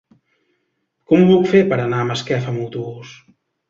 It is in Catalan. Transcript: Com ho puc fer per anar a Masquefa amb autobús?